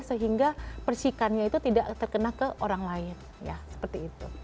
sehingga persikannya itu tidak terkena ke orang lain ya seperti itu